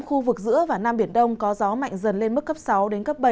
khu vực giữa và nam biển đông có gió mạnh dần lên mức cấp sáu bảy